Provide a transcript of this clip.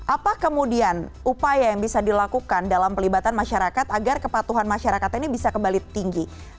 apa kemudian upaya yang bisa dilakukan dalam pelibatan masyarakat agar kepatuhan masyarakat ini bisa kembali tinggi